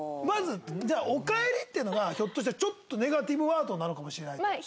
まずじゃあ「おかえり」っていうのはひょっとしたらちょっとネガティブワードなのかもしれないの？